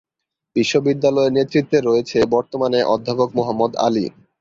বিশ্ববিদ্যালয়ের নেতৃত্বে রয়েছেন বর্তমানে অধ্যাপক মুহাম্মদ আলী।